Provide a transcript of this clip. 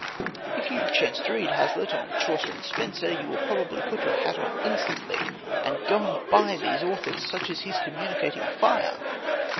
If you chance to read Hazlitt on Chaucer and Spenser, you will probably put your hat on instantly and go out and buy these authors; such is his communicating fire!